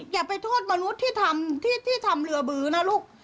อย่าไปโทษมนุษย์ที่ทำเรือบื๊นะลุ๊ก